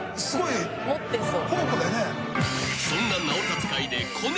［そんな］